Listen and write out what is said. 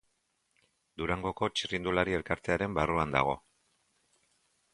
Durangoko Txirrindulari Elkartearen barruan dago.